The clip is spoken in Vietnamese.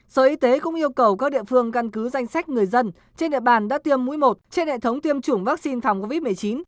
sở y tế cũng yêu cầu các địa phương căn cứ danh sách người dân trên địa bàn đã tiêm mũi một trên hệ thống tiêm chủng vaccine phòng covid một mươi chín